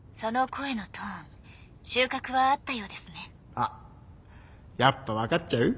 あっやっぱ分かっちゃう？